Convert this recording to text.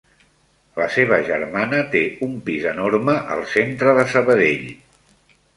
La seva germana té un pis enorme al centre de Sabadell.